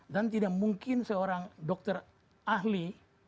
dan tidak mungkin seorang dokter ahli